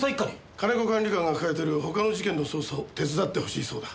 金子管理官が抱えてる他の事件の捜査を手伝ってほしいそうだ。